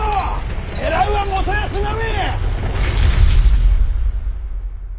狙うは元康のみ！